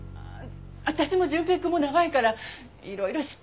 私も淳平くんも長いからいろいろ知ってるのよ。